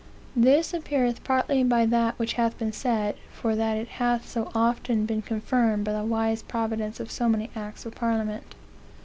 "This appeareth partly by that which hath been said, for that it hath so often been confirmed by the wise providence of so many acts of parliament.